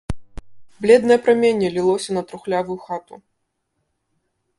Бледнае праменне лілося на трухлявую хату.